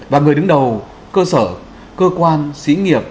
và người đứng đầu cơ sở cơ quan xí nghiệp